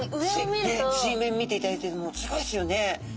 水面見ていただいてもすごいですよね。